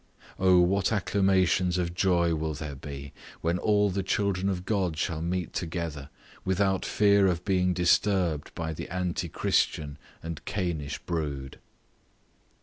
O! what acclamations of joy will there be, when all the children of God shall meet together, without fear of being disturbed by the anti Christian and Cainish brood.